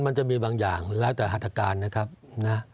มันจะมีบางอย่างแล้วแต่หัตการณ์นะครับนะ